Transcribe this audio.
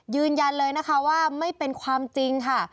ยืนยันเลยนะคะว่าไม่เป็นความจริงค่ะ